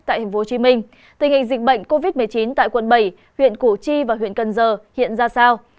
tại tp hcm tình hình dịch bệnh covid một mươi chín tại quận bảy huyện củ chi và huyện cần giờ hiện ra sao